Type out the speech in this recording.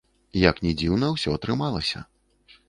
Як ні дзіўна, усё атрымалася.